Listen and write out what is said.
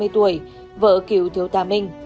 ba mươi tuổi vợ cựu thiếu tá